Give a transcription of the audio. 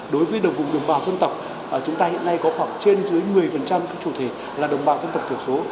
đối với đồng bào dân tộc chúng ta hiện nay có khoảng trên dưới một mươi các chủ thể là đồng bào dân tộc tiểu số